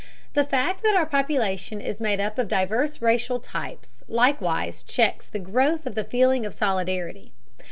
The fact that our population is made up of diverse racial types likewise checks the growth of the feeling of solidarity.